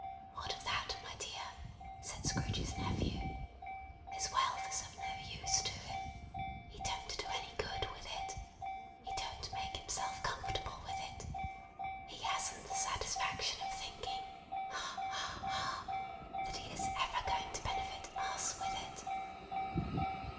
"What of that, my dear!" said Scrooge's nephew. "His wealth is of no use to him. He don't do any good with it. He don't make himself comfortable with it. He hasn't the satisfaction of thinking ha, ha, ha! that he is ever going to benefit US with it."